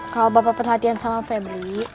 kalo bapak perhatian sama febri